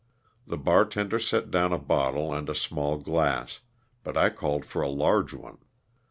The bartender set down a bottle and a small glass, but I called for a large one.